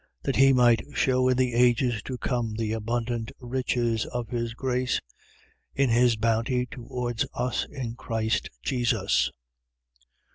2:7. That he might shew in the ages to come the abundant riches of his grace, in his bounty towards us in Christ Jesus.